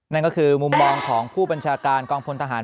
นั่นก็คือมุมมองของผู้บัญชาการกองพลทหาร